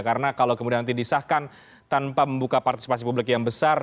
karena kalau kemudian nanti disahkan tanpa membuka partisipasi publik yang besar